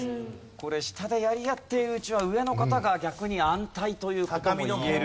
これ下でやり合っているうちは上の方が逆に安泰という事も言える。